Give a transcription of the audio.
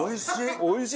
おいしい。